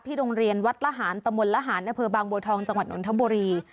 ที่โรงเรียนวัดละหารตมลละหารณเพอร์บางบวทองจังหวัดนทบรี